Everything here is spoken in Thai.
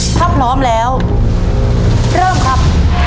ถ้าพร้อมแล้วเริ่มครับ